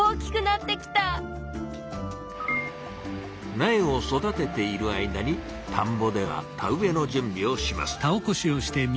苗を育てている間に田んぼでは田植えの準備をします。